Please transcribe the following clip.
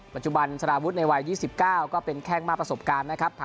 สารวุฒิในวัย๒๙ก็เป็นแข้งมากประสบการณ์นะครับ